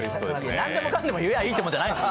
何でもかんでも言やあいいってもんじゃないです。